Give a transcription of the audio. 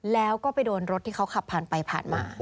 แล้วก็ไปโดนรถที่เขาขับผ่านไปผ่านมา